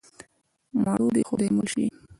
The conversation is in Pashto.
د مړو دې خدای مل شي.